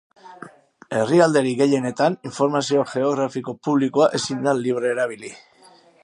Herrialderik gehienetan informazio geografiko publikoa ezin da libre erabili.